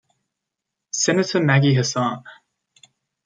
Senator Maggie Hassan.